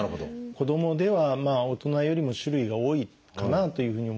子どもでは大人よりも種類が多いかなというふうに思います。